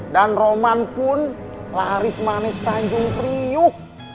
dan roman pun laris manis tanjung kriuk